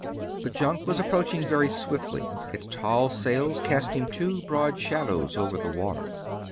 The junk was approaching very swiftly, its tall sails casting two broad shadows over the water.